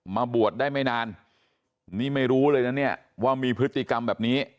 มาบวชได้ไม่นานนี่ไม่รู้เลยนะเนี่ยว่ามีพฤติกรรมแบบนี้